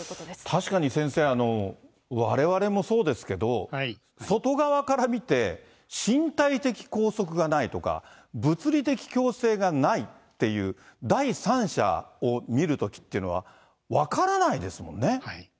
確かに先生、われわれもそうですけど、外側から見て、身体的拘束がないとか、物理的強制がないっていう第三者を見るときっていうのは、分からないですもんね。